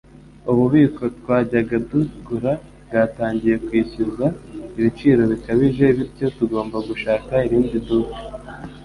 Ububiko twajyaga tugura bwatangiye kwishyuza ibiciro bikabije, bityo tugomba gushaka irindi duka.